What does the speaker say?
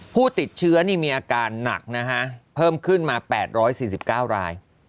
ผู้ติดเชื้อนี่มีอาการหนักนะฮะเพิ่มขึ้นมา๘๔๙ราย